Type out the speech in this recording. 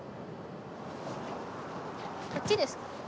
こっちですか？